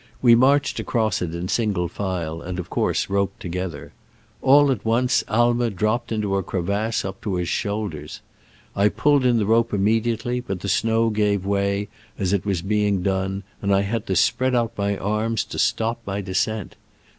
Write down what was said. We marched across it in single file, and of course roped together. All at once Aimer dropped into a crevasse up to his shoulders. I pulled in the rope immediately, but the snow gave way as it was being done, and I had to spread out my arms to stop my descent.